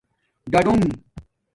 ڈاڈݹنݣ